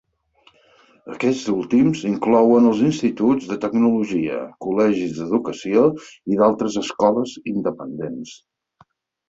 Aquests últims inclouen els instituts de tecnologia, col·legis d'educació, i altres escoles independents.